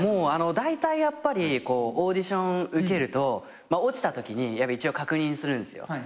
だいたいやっぱりオーディション受けると落ちたときに一応確認するんすよ。